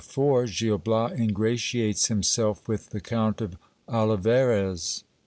— Gil Bias ingratiates himself with the Count of Olivarez.